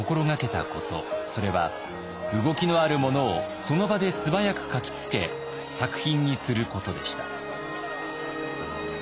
それは動きのあるものをその場で素早く描きつけ作品にすることでした。